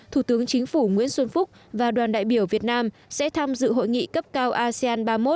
thủ tướng chính phủ nguyễn xuân phúc và đoàn đại biểu việt nam sẽ tham dự hội nghị cấp cao asean ba mươi một